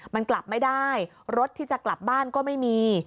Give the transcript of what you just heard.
มันกลับไม่ได้รถที่จะกลับบ้านก็ไม่มี